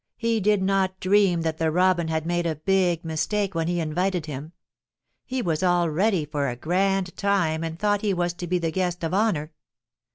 He did not dream that the Robin had made a big mistake when he invited him. He was all ready for a grand time and thought he was to be the guest of honor.